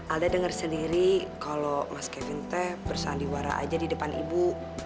alda dengar sendiri kalau mas kevinte bersandiwara aja di depan ibu